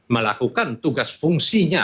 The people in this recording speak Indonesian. melakukan tugas fungsinya